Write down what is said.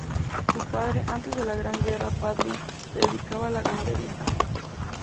Su padre, antes de la Gran Guerra Patria se dedicaba a la ganadería.